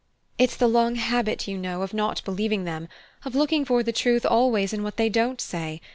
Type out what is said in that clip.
"It's the long habit, you know, of not believing them of looking for the truth always in what they don't say.